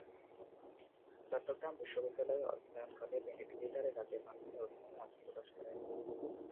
চট্টগ্রাম বিশ্ববিদ্যালয়ে অধ্যয়নকালে তিনি থিয়েটারে কাজের মাধ্যমে অভিনয়ে আত্মপ্রকাশ করেন।